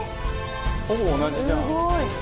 ほぼ同じじゃん。